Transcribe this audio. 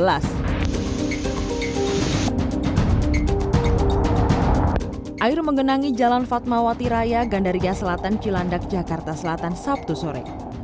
air menggenangi jalan fatmawati raya gandaria selatan cilandak jakarta selatan sabtu sore